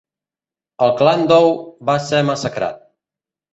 El clan Dou va ser massacrat.